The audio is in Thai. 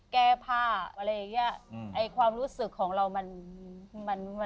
แก้ผ้าอะไรอย่างนี้ความรู้สึกของเรามันไม่